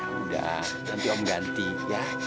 udah nanti om ganti ya